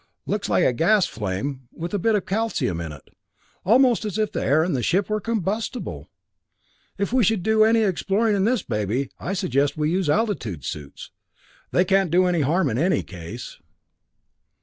Looks like a gas flame, with a bit of calcium in it. Almost as if the air in the ship were combustible. If we should do any exploring in this baby, I suggest we use altitude suits they can't do any harm in any case."